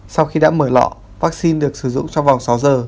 sau khi đã mở lọ vắc xin được sử dụng trong vòng sáu giờ